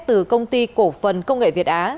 từ công ty cổ phần công nghệ việt á